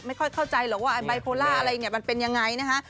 ไม่ค่อยเข้าใจหรอกว่าไบโพล่าอะไรอย่างนี้มันเป็นอย่างไรนะฮะ